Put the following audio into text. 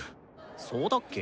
そうだっけ？